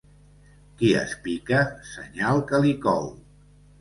Qui es pica, senyal que li cou.